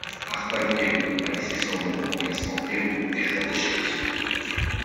Arpad Elo a laissé son nom au classement Elo des joueurs d'échecs.